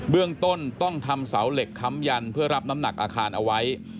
เรื่องต้นต้องทำเสาเหล็กค้ำยันเพื่อรับน้ำหนักอาคารเอาไว้